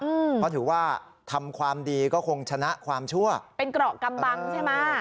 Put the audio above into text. เพราะถือว่าทำความดีก็คงชนะความชั่วเป็นเกราะกำบังใช่ไหม